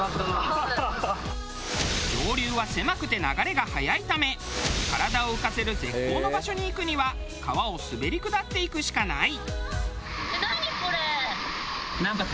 上流は狭くて流れが速いため体を浮かせる絶好の場所に行くには川を滑り下っていくしかない。